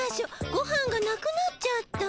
ごはんがなくなっちゃった。